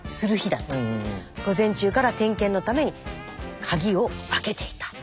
午前中から点検のために鍵を開けていた。